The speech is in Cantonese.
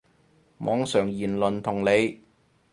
網上言論同理